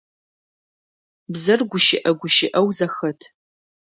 Бзэр гущыӏэ гущыӏэу зэхэт.